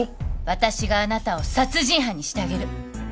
私があなたを殺人犯にしてあげる。